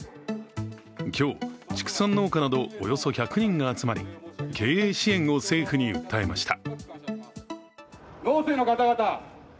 今日、畜産農家などおよそ１００人が集まり、経営支援を政府に訴えました。